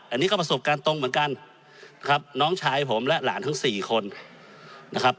อันนี้ก็ประสบการณ์ตรงเหมือนกันครับน้องชายผมและหลานทั้งสี่คนนะครับ